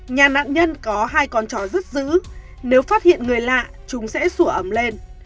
nhà nạn nhân có hai con chó rất dữ nếu phát hiện người lạ chúng sẽ sủa ấm lên